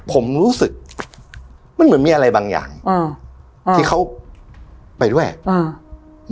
ผมรู้สึกมันเหมือนมีอะไรบางอย่างอ่าที่เขาไปด้วยอ่า